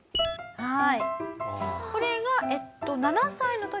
はい。